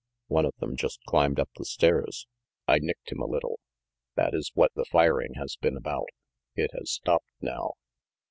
One of them just climbed up the stairs. I nicked him a little. That is what the firing has been about. It has stopped now."